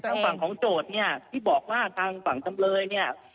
ทางฝั่งของโจทย์เนี่ยที่บอกว่าทางฝั่งจำเลยเนี่ย